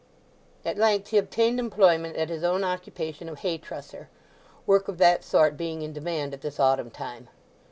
At length he obtained employment at his own occupation of hay trusser, work of that sort being in demand at this autumn time.